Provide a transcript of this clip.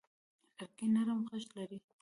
لرګی نرم غږ لري.